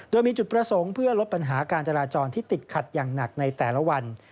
โดยมีจุดประสงค์เพื่อลดปัญหาการจราจรที่ติดขัดอย่างหนักในแต่ละวัน